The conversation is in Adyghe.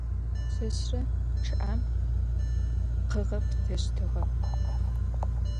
Çeşre ççı'em khığepıteştıge.